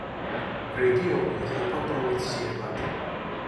რეგიონები იყოფიან პროვინციებად.